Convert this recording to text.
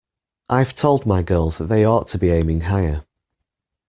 I've told my girls that they ought to be aiming higher.